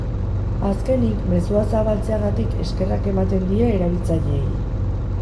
Azkenik, mezua zabaltzeagatik eskerrak ematen die erabiltzaileei.